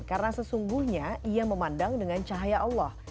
karena sesungguhnya ia memandang dengan cahaya allah